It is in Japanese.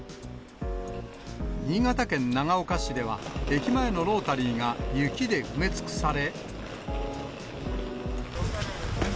新潟県長岡市では、駅前のロータリーが雪で埋め尽くされ。